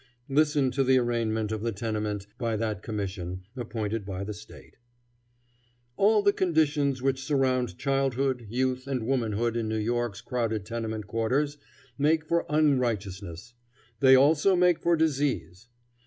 Listen to the arraignment of the tenement by that Commission, appointed by the State: "All the conditions which surround childhood, youth, and womanhood in New York's crowded tenement quarters make for unrighteousness. They also make for disease.